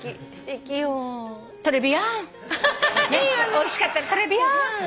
おいしかったらトレビアン。